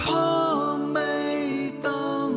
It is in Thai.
สวัสดีครับ